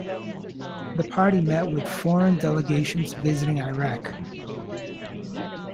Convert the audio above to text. The party met with foreign delegations visiting Iraq.